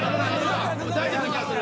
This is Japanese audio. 俺大丈夫な気がする。